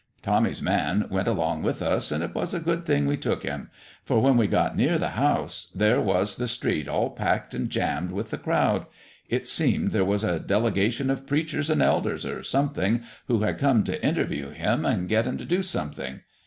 Tommy's man went along with us, and it was a good thing we took him, for when we got near the house, there was the street all packed and jammed with the crowd. It seemed there was a delegation of preachers and elders or something, who had come to interview Him and get Him to do something.